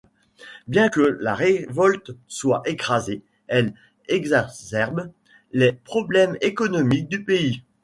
Bien que la révolte soit écrasée, elle exacerbe les problèmes économiques du pays.